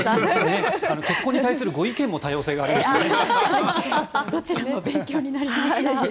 結婚に対するご意見も多様性がありましたね。